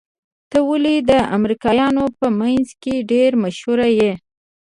ته ولې د امريکايانو په منځ کې ډېر مشهور يې؟